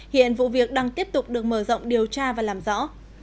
hiện vụ việc đang tiếp tục được mở rộng điều tra và làm rõ